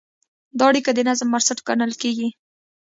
دا اړیکه د نظم بنسټ ګڼل کېږي.